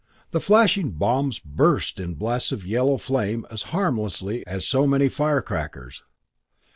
The flashing bombs burst in blasts of yellow flame as harmlessly as so many firecrackers.